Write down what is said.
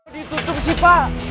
ditutup sih pak